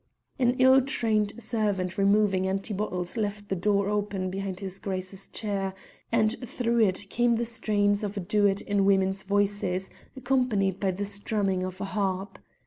An ill trained servant removing empty bottles left the door open behind his Grace's chair, and through it came the strains of a duet in women's voices, accompanied by the strumming of a harp.